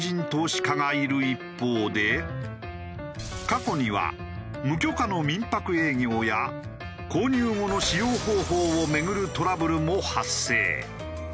過去には無許可の民泊営業や購入後の使用方法を巡るトラブルも発生。